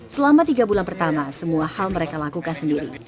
selama tiga bulan pertama semua hal mereka lakukan sendiri